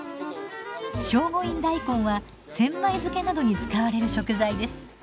聖護院大根は千枚漬などに使われる食材です。